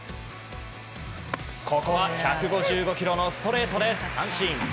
ここは１５５キロのストレートで三振。